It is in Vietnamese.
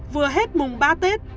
vừa hết mùng ba tết